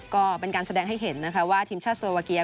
ก็เป็นการแสดงให้เห็นนะคะว่าทีมชาติโซวาเกีย